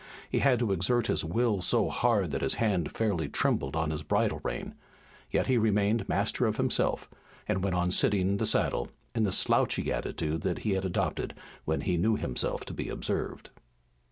He had to exert his will so hard that his hand fairly trembled on his bridle rein. Yet he remained master of himself, and went on sitting the saddle in the slouchy attitude that he had adopted when he knew himself to be observed.